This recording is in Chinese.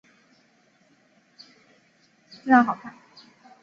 会不会改变他们呢？